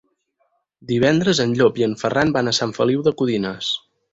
Divendres en Llop i en Ferran van a Sant Feliu de Codines.